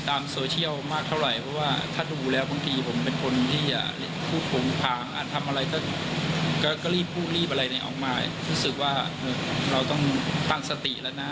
ถ้าทำอะไรก็ก็ก็รีบพูดรีบอะไรในออกมารู้สึกว่าเราต้องตั้งสติแล้วนะ